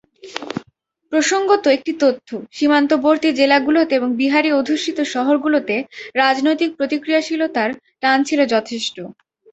প্রসঙ্গত, একটি তথ্য—সীমান্তবর্তী জেলাগুলোতে এবং বিহারি-অধ্যুষিত শহরগুলোতে রাজনৈতিক প্রতিক্রিয়াশীলতার টান ছিল যথেষ্ট।